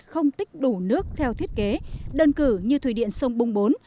không tích đủ nước theo thiết kế đơn cử như thủy điện sông bung bốn